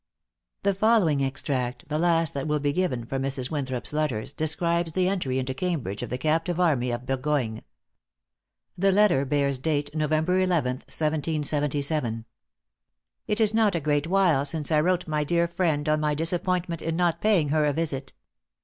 The following extract, the last that will be given from Mrs. Winthrop's letters, describes the entry into Cambridge of the captive army of Burgoyne. The letter bears date November 11th, 1777: "It is not a great while since I wrote my dear friend on my disappointment in not paying her a visit.